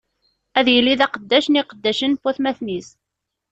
Ad yili d aqeddac n iqeddacen n watmaten-is!